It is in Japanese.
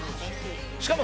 しかも。